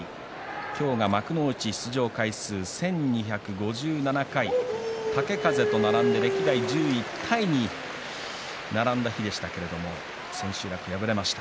今日が幕内出場回数１２５７回豪風と並んで歴代１０位タイに並んだ日でしたけれども千秋楽敗れました。